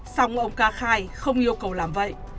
xong ông ca khai không yêu cầu làm vậy